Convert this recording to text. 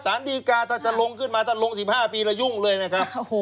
สารดีกาถ้าจะลงขึ้นมาถ้าลง๑๕ปีแล้วยุ่งเลยนะครับ